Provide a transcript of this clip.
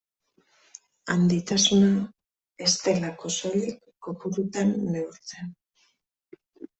Handitasuna ez delako soilik kopurutan neurtzen.